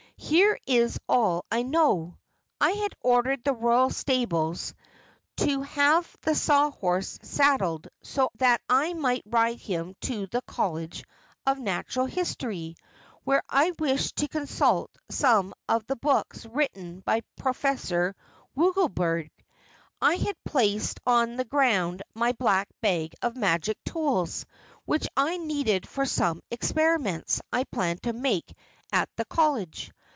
Here is all I know: I had ordered the Royal Stables to have the Sawhorse saddled so that I might ride him to the College of Natural History, where I wished to consult some of the books written by Professor Wogglebug. I had placed on the ground my Black Bag of Magic Tools which I needed for some experiments I planned to make at the College.